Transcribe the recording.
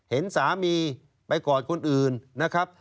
เห็นสามีไปกอดคนอื่นนะครับ